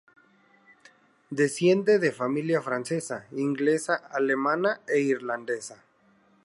Desciende de familia francesa, inglesa, alemana e irlandesa.